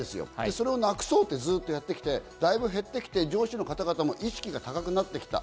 それをなくそうとやってきて、だいぶ減ってきて上司の方々も意識が高くなってきた。